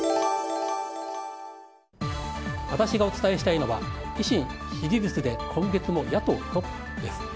私がお伝えしたいのは維新支持率で今月も野党トップです。